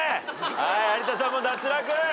有田さんも脱落。